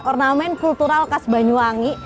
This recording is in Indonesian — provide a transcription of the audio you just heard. ornamen kultural khas banyuwangi